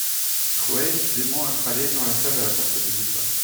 Wray dément être allée dans la salle de la porte des étoiles.